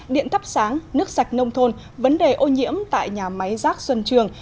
điện thắp sáng nước sạch nông thôn vấn đề ô nhiễm tại nhà máy rác xuân trường